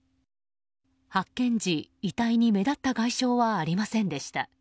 発見時、遺体に目立った外傷はありませんでした。